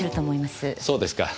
そうですか。